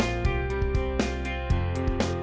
aduh aduh aduh aduh